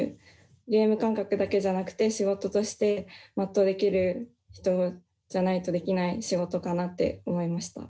ゲーム感覚だけじゃなくて仕事として全うできる人じゃないとできない仕事かなって思いました。